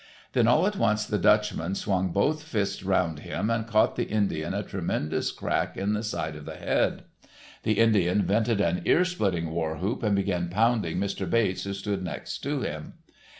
Then all at once the Dutchman swung both fists around him and caught the Indian a tremendous crack in the side of the head. The Indian vented an ear splitting war whoop and began pounding Mr. Bates who stood next to him.